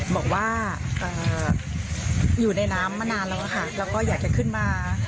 บอกว่าอยู่ในน้ำมานานแล้วค่ะแล้วก็อยากจะขึ้นมา